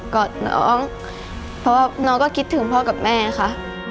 อดน้องเพราะว่าน้องก็คิดถึงพ่อกับแม่ค่ะ